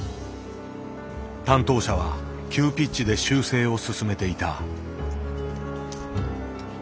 担当者は急ピッチで修正を進めていた。